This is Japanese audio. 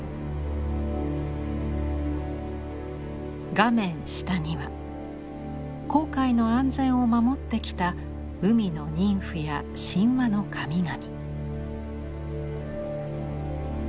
画面下には航海の安全を守ってきた海のニンフや神話の神々。